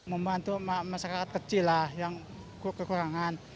membantu masyarakat kecil lah yang kekurangan